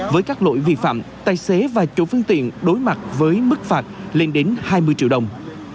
với các lỗi vi phạm tài xế và chủ phương tiện đối mặt với mức phạt lên đến hai mươi triệu đồng